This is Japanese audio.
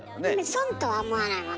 損とは思わないもんね。